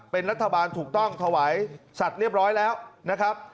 เป็นรัฐบาลถูกต้องถวายสัตว์เรียบร้อยแล้วนะครับ